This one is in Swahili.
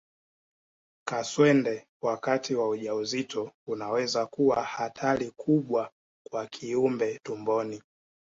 Kaswende wakati wa ujauzito unaweza kuwa hatari kubwa kwa kiumbe tumboni